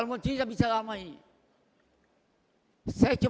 dan mencapai kepentingan